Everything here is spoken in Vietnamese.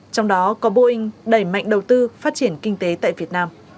trong đó có boeing đẩy mạnh đầu tư phát triển kinh tế tại việt nam